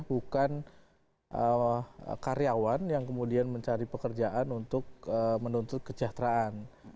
bukan karyawan yang kemudian mencari pekerjaan untuk menuntut kesejahteraan